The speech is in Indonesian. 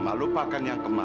aku akan panggil bu